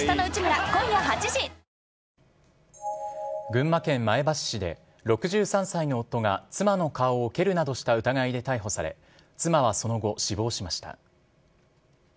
群馬県前橋市で、６３歳の夫が妻の顔を蹴るなどした疑いで逮捕され、妻はその後、死亡しました。